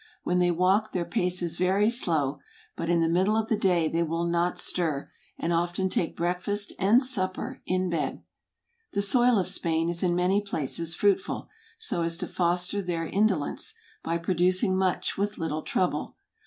When they walk their pace is very slow; but in the middle of the day they will not stir, and often take breakfast, and supper, in bed. The soil of Spain is in many places fruitful, so as to foster their indolence, by producing much with little trouble.